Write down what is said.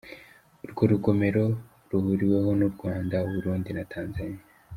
Urwo rugomero ruhuriweho n’u Rwanda, u Burundi na Tanzaniya.